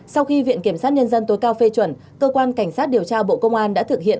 sau khi viện kiểm sát nhân dân tối cao phê chuẩn cơ quan cảnh sát điều tra bộ công an đã thực hiện